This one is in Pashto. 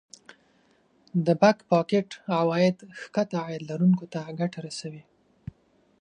د Back pocket عواید ښکته عاید لرونکو ته ګټه رسوي